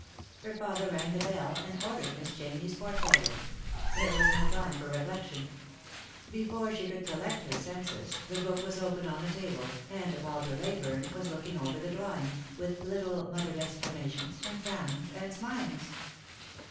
Her father rang the bell, and ordered Miss Chamney's port folio. There was no time for reflection. Before she could collect her senses, the book was open on the table, and Walter Leyburne was looking over the drawings, with little muttered exclama tions, and frownings, and smilings.